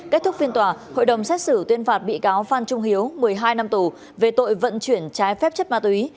kết thúc phiên tòa hội đồng xét xử tuyên phạt bị cáo phan trung hiếu một mươi hai năm tù về tội vận chuyển trái phép chất ma túy